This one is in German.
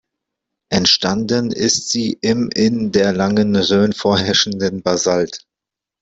Entstanden ist sie im in der Langen Rhön vorherrschenden Basalt.